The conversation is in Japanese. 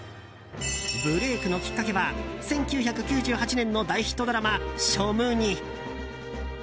ブレークのきっかけは１９９８年の大ヒットドラマ「ショムニ」。